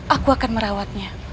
aku akan merawatnya